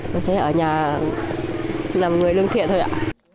tôi sẽ ở nhà làm người lương thiện thôi ạ